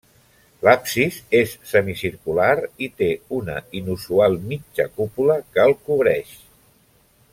L'absis és semicircular i té una inusual mitja cúpula que el cobreix.